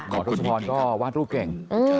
มอร์โทษภพรก็วาดรูปเก่ง